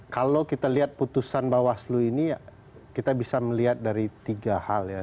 kalau kita lihat putusan bawaslu ini kita bisa melihat dari tiga hal ya